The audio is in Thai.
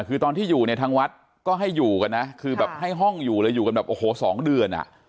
คือตอนที่อยู่เนี่ยทางวัดก็ให้อยู่กันนะคือแบบให้ห้องอยู่เลยอยู่กันแบบโอ้โหสองเดือนอ่ะ